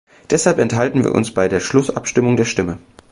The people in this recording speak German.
Deshalb enthalten wir uns bei der Schlussabstimmung der Stimme.